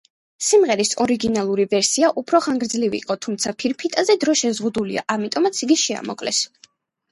სიმღერის ორიგინალური ვერსია უფრო ხანგრძლივი იყო, თუმცა, ფირფიტაზე დრო შეზღუდულია, ამიტომაც იგი შეამოკლეს.